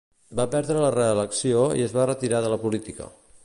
Va perdre la reelecció i es va retirar de la política.